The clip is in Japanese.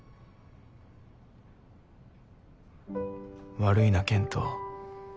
悪いな健斗。